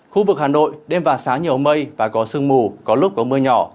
khu vực hà nội đêm và sáng nhiều mây và có sương mù có lúc có mưa nhỏ